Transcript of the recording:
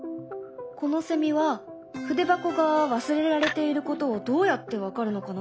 このセミは筆箱が忘れられていることをどうやって分かるのかな？